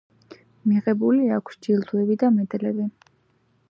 მიღებული აქვს ჯილდოები და მედლები.